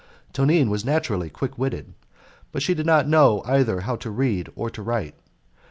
Tonine was naturally quick witted, but she did not know either how to read or to write.